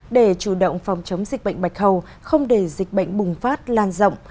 để chủ động phòng chống dịch bệnh bạch hầu không để dịch bệnh bùng phát lan rộng